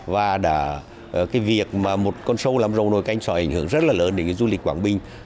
và cái việc mà một con sâu làm râu nồi canh sòi ảnh hưởng rất là lớn đến cái du lịch quảng binh